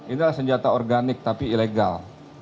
ini adalah senjata organik tapi ilegal